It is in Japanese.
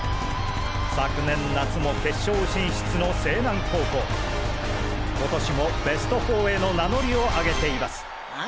昨年夏も決勝進出の勢南高校今年もベスト４への名乗りを上げています。